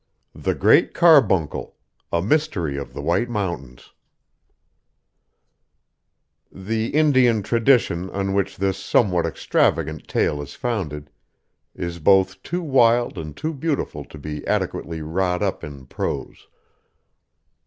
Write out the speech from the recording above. THE GREAT CARBUNCLE A MYSTERY OF THE WHITE MOUNTAINS (The Indian tradition, on which this somewhat extravagant tale is founded, is both too wild and too beautiful to be adequately wrought up in prose.